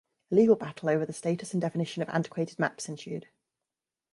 A legal battle over the status and definition of "antiquated maps" ensued.